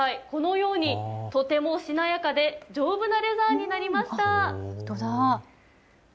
このようにとてもしなやかで丈夫なレザーになりました。